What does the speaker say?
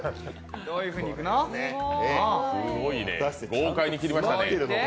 豪快に切りましたね。